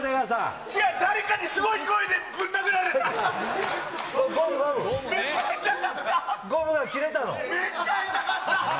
違う、誰かにすごい勢いでぶん殴られた。